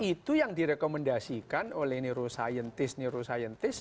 itu yang direkomendasikan oleh neurosaintis nerosaintis